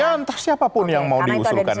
ya entah siapa pun yang mau diusulkan nanti